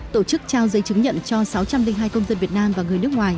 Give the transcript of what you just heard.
tổ chức trao giấy chứng nhận cho sáu trăm linh hai công dân việt nam và người nước ngoài